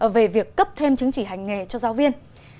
về việc cấp thêm chứng chỉ hành nghề cho giáo viên